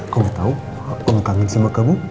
kamu tau apa yang kamu ngangin sama kamu